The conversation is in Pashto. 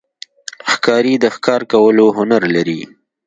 ښکاري د ښکار کولو هنر لري.